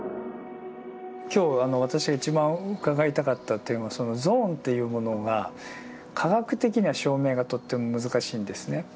今日私が一番伺いたかった点はそのゾーンというものが科学的には証明がとっても難しいんですね。